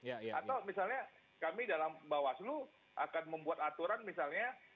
atau misalnya kami dalam bawaslu akan membuat aturan misalnya